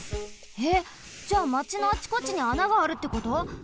えっじゃあまちのあちこちにあながあるってこと！？